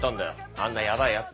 あんなヤバいやつ。